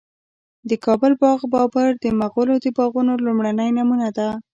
د کابل باغ بابر د مغلو د باغونو لومړنی نمونه ده